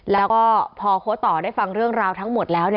แล้วก็พอโค้ดต่อได้ฟังเรื่องราวทั้งหมดแล้ว